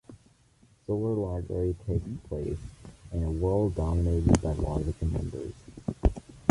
"Solar Lottery" takes place in a world dominated by logic and numbers.